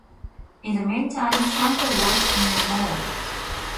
In the meantime, Santa works in a mall.